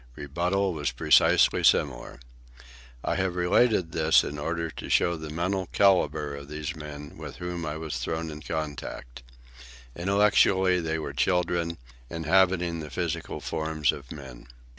Rebuttal was precisely similar. I have related this in order to show the mental calibre of the men with whom I was thrown in contact. Intellectually they were children, inhabiting the physical forms of men.